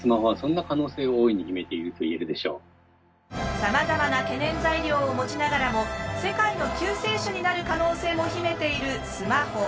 さまざまな懸念材料を持ちながらも世界の救世主になる可能性も秘めているスマホ。